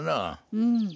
うん。